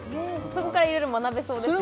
そこからいろいろ学べそうですね